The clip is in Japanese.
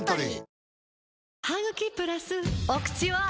お口は！